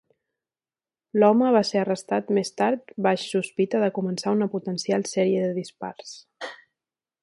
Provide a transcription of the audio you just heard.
L'home va ser arrestat més tard baix sospita de començar una potencial sèrie de dispars.